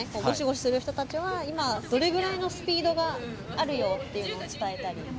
ごしごしする人たちは今どれぐらいのスピードがあるよっていうのを伝えたり。